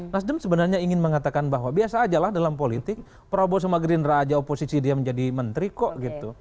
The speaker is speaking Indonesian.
nasdam sebenarnya ingin mengatakan bahwa biasa aja lah dalam politik prabowo semagerin raja oposisi dia menjadi menteri kok gitu